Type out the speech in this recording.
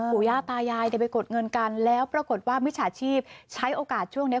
ย่าตายายไปกดเงินกันแล้วปรากฏว่ามิจฉาชีพใช้โอกาสช่วงนี้